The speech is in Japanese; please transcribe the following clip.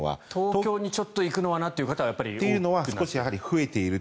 東京にちょっと行くのはなという人がやっぱり多くなっている。